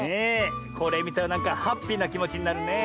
これみたらなんかハッピーなきもちになるねえ。